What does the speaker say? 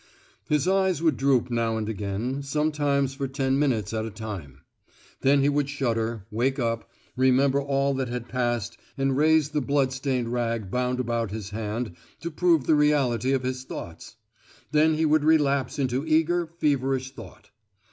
His eyes would droop now and again, sometimes for ten minutes at a time; then he would shudder, wake up, remember all that had passed and raise the blood stained rag bound about his hand to prove the reality of his thoughts; then he would relapse into eager, feverish thought.